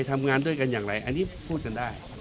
ทำงานด้วยกันอย่างไรอันนี้พูดกันได้